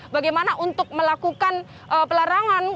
bagaimana untuk melakukan pelarangan